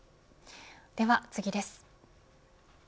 では次です。